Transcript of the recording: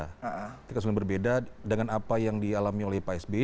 tingkat kesulitan yang berbeda dengan apa yang dialami oleh pak sby